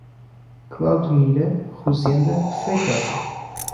Claudenira Rozenda Feitosa